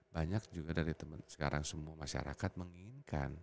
banyak juga dari sekarang semua masyarakat menginginkan